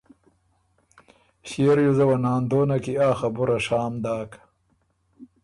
ݭيې ریوزه وه ناندونه کی آ خبُره شام داک